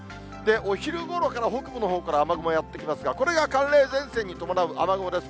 お昼ごろから、北部のほうから雨雲やって来ますが、これが寒冷前線に伴う雨雲です。